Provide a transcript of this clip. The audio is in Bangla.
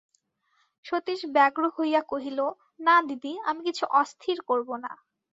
সতীশ ব্যগ্র হইয়া কহিল, না দিদি, আমি কিছু অস্থির করব না।